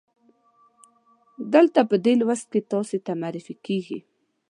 دلته په دې لوست کې تاسې ته معرفي کیږي.